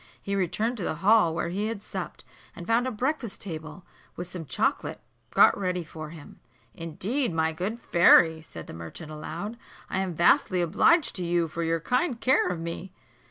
He returned to the hall, where he had supped, and found a breakfast table, with some chocolate got ready for him. "Indeed, my good fairy," said the merchant aloud, "I am vastly obliged to you for your kind care of me."